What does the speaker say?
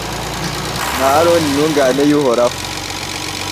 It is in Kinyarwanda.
na Aroni intungane y’Uhoraho